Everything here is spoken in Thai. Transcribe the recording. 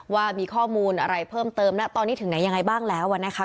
ว่ามีข้อมูลอะไรเพิ่มเติมนะตอนนี้ถึงไหนยังไงบ้างแล้วนะคะ